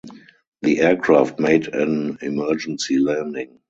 The aircraft made an emergency landing.